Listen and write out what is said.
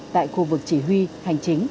tại khu vực chỉ huy hành chính